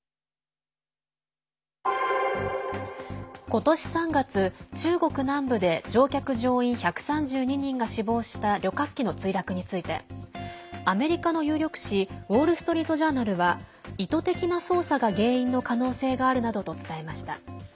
ことし３月、中国南部で乗客・乗員１３２人が死亡した旅客機の墜落についてアメリカの有力紙ウォール・ストリート・ジャーナルは意図的な操作が原因の可能性があるなどと伝えました。